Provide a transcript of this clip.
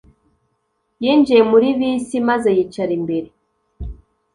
Yinjiye muri bisi maze yicara imbere.